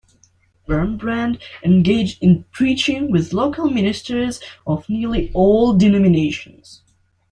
Wurmbrand engaged in preaching with local ministers of nearly all denominations.